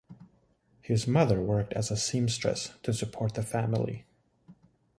His mother worked as a seamstress, to support the family.